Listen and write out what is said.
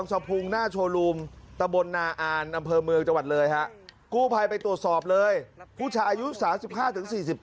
กำลังจะเดินข้ามฝั่ง